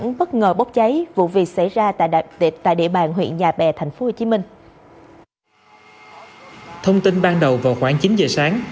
không bốc cháy vụ việc xảy ra tại địa bàn huyện nhà bè tp hcm thông tin ban đầu vào khoảng chín giờ sáng